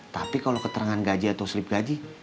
tapi kalau keterangan gaji atau slip gaji